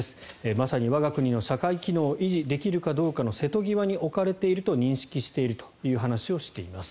まさに我が国の社会機能を維持できるかどうかの瀬戸際に置かれていると認識していると話しています。